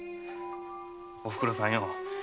〔おふくろさんよ